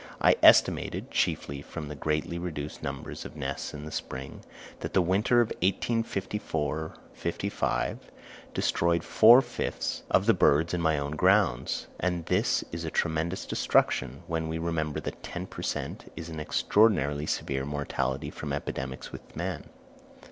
I estimated (chiefly from the greatly reduced numbers of nests in the spring) that the winter of 1854 5 destroyed four fifths of the birds in my own grounds; and this is a tremendous destruction, when we remember that ten per cent. is an extraordinarily severe mortality from epidemics with man.